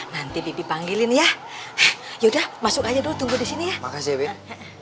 nanti bibi panggilin ya yaudah masuk aja dulu tunggu di sini ya makasih